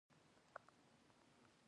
ځکه یې نو هغه شپه بیا حمله ونه کړه.